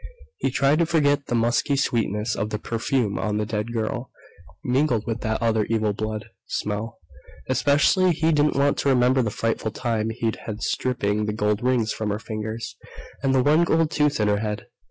He tried to forget the musky sweetness of the perfume on the dead girl, mingled with that other evil blood smell. Especially he didn't want to remember the frightful time he'd had stripping the gold rings from her fingers, and the one gold tooth in her head....